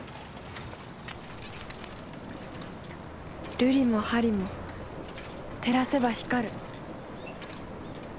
瑠璃も玻璃も照らせば光る。